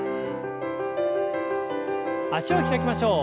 脚を開きましょう。